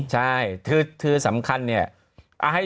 ใช่คือสำคัญเนี่ย